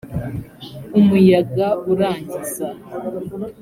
umuyaga urangiza.